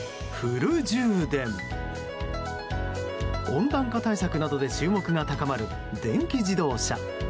温暖化対策などで注目が高まる電気自動車。